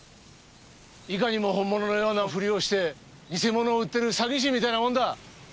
いかにも本物のようなふりをして偽物を売ってる詐欺師みたいなもんだ。